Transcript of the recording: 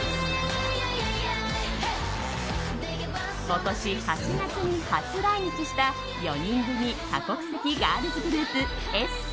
今年８月に初来日した４人組多国籍ガールズグループａｅｓｐａ。